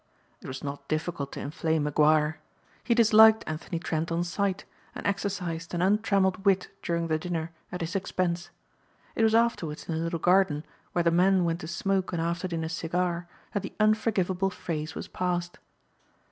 It was not difficult to inflame McGuire. He disliked Anthony Trent on sight and exercised an untrammeled wit during the dinner at his expense. It was afterwards in the little garden where the men went to smoke an after dinner cigar that the unforgivable phrase was passed.